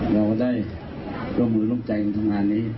เราก็ได้ร่วมหลุมใจในทำงานนี้นะครับ